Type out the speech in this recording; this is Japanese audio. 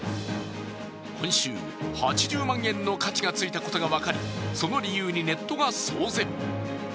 今週、８０万円の価値がついたことが分かりその理由にネットが騒然。